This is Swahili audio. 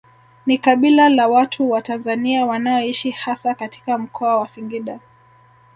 Ni kabila la watu wa Tanzania wanaoishi hasa katika Mkoa wa Singida